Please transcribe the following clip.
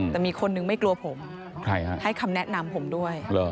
แต่มีคนนึงไม่กลัวผมให้คำแนะนำผมด้วย